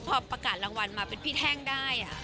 พอประกาศรางวัลมาเป็นพี่แท่งได้